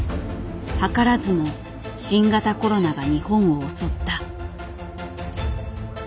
図らずも新型コロナが日本を襲った。